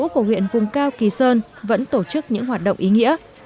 của huyện vùng cao kỳ sơn vẫn tổ chức những hoạt động ý nghĩa